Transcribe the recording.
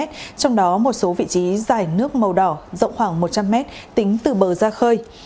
trong đó một số vị trí dài nước màu đỏ rộng khoảng một trăm linh mét tính từ bờ ra khơi